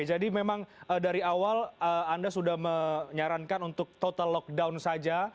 jadi memang dari awal anda sudah menyarankan untuk total lockdown saja